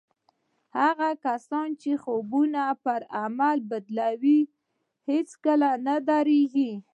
هغه کسان چې خوبونه پر عمل بدلوي هېڅکله نه درېږي